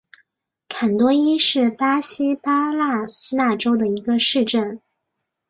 坎多伊是巴西巴拉那州的一个市镇。